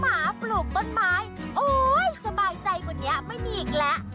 หมาปลูกต้นไม้โอ๊ยสบายใจกว่านี้ไม่มีอีกแล้ว